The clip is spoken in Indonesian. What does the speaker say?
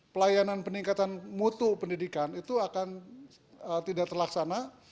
pelayanan peningkatan mutu pendidikan itu akan tidak terlaksana